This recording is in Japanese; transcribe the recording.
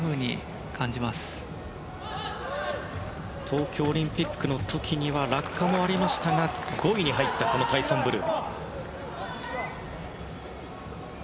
東京オリンピックの時には落下もありましたが５位に入ったタイソン・ブル。